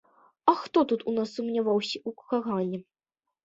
А хто тут у нас сумняваўся ў кагане?